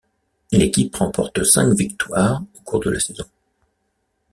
L'équipe remporte cinq victoires au cours de la saison.